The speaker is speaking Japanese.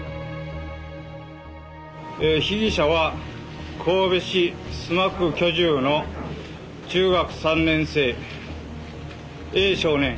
被疑者は神戸市須磨区居住の中学３年生Ａ少年。